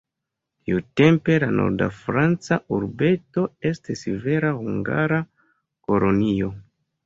Tiutempe la nord-franca urbeto estis vera hungara kolonio.